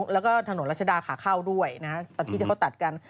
แล้วก็ถนนรัชดาขาเข้าด้วยตอนที่ที่เขาตัดกัน